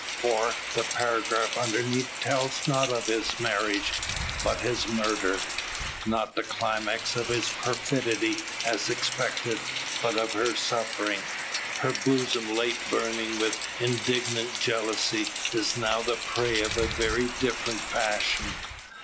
For, the paragraph underneath tells not of his marriage, but his murder! Not the climax of his perfidy, as expected, but of her suffering. Her bosom late burning with indignant jealousy, is now the prey of a very different passion.